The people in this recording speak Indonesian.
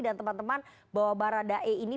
dan teman teman bahwa baradae ini